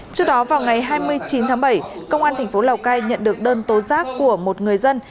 trước đó vào ngày hai mươi chín tháng bảy công an thành phố lào cai nhận được đơn tố giác của một người dân